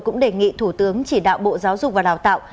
cũng đề nghị thủ tướng chỉ đạo bộ giáo dục và đào tạo